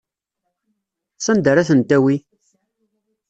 Sanda ara ten-tawi?